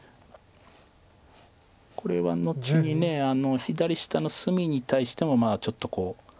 これは後に左下の隅に対してもちょっと。